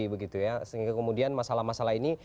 jadi begitu ya sehingga kemudian masalah masalah ini